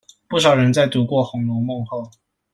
不少人在讀過紅樓夢後